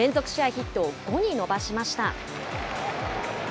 ヒットを５に伸ばしました。